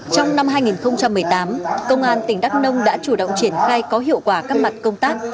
trong năm hai nghìn một mươi tám công an tỉnh đắk nông đã chủ động triển khai có hiệu quả các mặt công tác